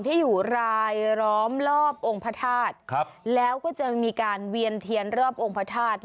ที่อยู่รายล้อมรอบองค์พระธาตุแล้วก็จะมีการเวียนเทียนรอบองค์พระธาตุ